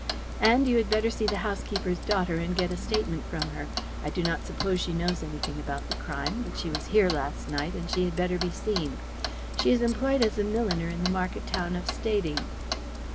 And you had better see the housekeeper's daughter and get a statement from her. I do not suppose she knows anything about the crime, but she was here last night, and she had better be seen. She is employed as a milliner at the market town of Stading."